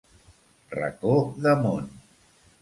Racó de món.